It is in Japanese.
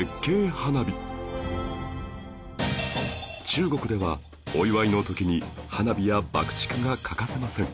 中国ではお祝いの時に花火や爆竹が欠かせません